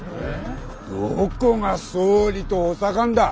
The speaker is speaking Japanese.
どこが総理と補佐官だ。